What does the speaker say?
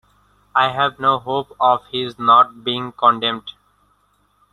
I have no hope of his not being condemned.